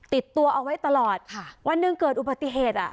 ติดตัวเอาไว้ตลอดวันหนึ่งเกิดอุปติเหตุ